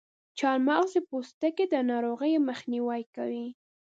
چارمغز د پوستکي د ناروغیو مخنیوی کوي.